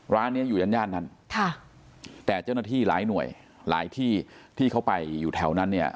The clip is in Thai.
ร้านเนี้ยอยู่ย่านย่านนั้นค่ะแต่เจ้าหน้าที่หลายหน่วยหลายที่ที่เขาไปอยู่แถวนั้นเนี่ย